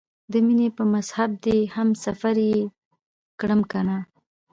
د مینې په مذهب دې هم سفر یې کړم کنه؟